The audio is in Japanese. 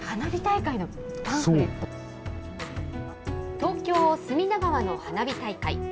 東京隅田川の花火大会。